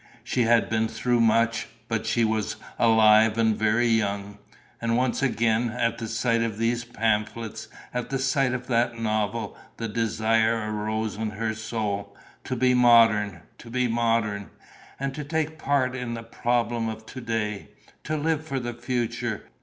She had been through much, but she was alive and very young. And once again, at the sight of those pamphlets, at the sight of that novel, the desire arose in her soul: to be modern, to be modern! And to take part in the problem of to day! To live for the future!